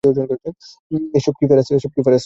এসব কী, পারাসু?